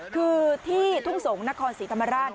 คือที่ทุ่งสงศ์นครศรีธรรมราช